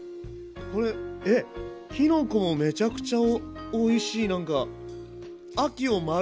これえっきのこもめちゃくちゃおいしいなんか。